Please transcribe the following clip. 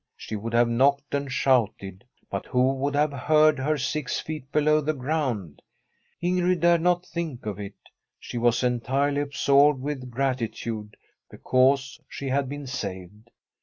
She would have knocked and shouted; but who would have heard her six feet below the ground ? Ingrid dared not think of it; she was entirely absorbed with gratitude because she had been saved.